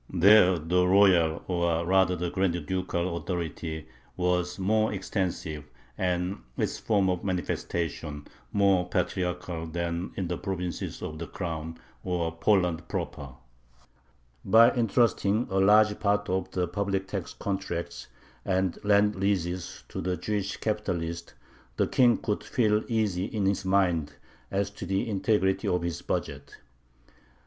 There the royal, or rather the grand ducal, authority was more extensive and its form of manifestation more patriarchal than in the provinces of the Crown, or Poland proper. By intrusting a large part of the public tax contracts and land leases to the Jewish capitalists, the King could feel easy in his mind as to the integrity of his budget.